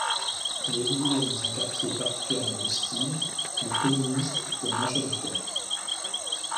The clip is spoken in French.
Il évoluait dans un quartier particulièrement hostile où les communistes étaient majoritaires.